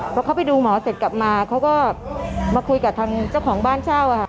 พอเขาไปดูหมอเสร็จกลับมาเขาก็มาคุยกับทางเจ้าของบ้านเช่าค่ะ